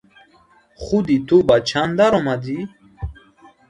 Худи ту ба чанд даромадӣ?